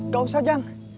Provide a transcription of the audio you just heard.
gak usah jang